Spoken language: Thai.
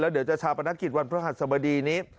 แล้วเดี๋ยวจะชาวประณะกิจวันพระหัสบดีนี้